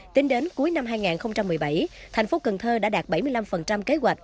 tính đến cuối năm hai nghìn một mươi bảy tp cn đã đạt bảy mươi năm kế hoạch